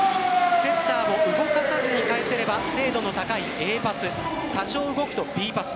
セッターを動かさずに返せれば精度の高いＡパス多少動くとＢパス